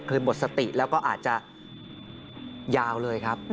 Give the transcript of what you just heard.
หมดสติแล้วก็อาจจะยาวเลยครับ